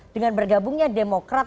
dengan bergabungnya demokrat